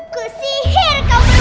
kusihir kau berbaujut